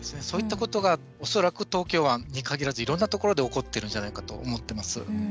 そういったことが恐らく東京湾に限らずいろんなところで起こっているんじゃないかと思ってます。